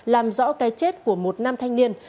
làm rõ cái chết của một nam thanh niên